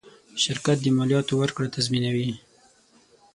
شرکت د مالیاتو ورکړه تضمینوي.